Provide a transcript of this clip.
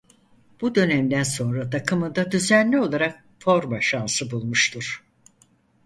Bu dönemden sonra takımında düzenli olarak forma şansı bulmuştur.